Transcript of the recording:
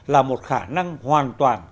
là một khả năng hoàn toàn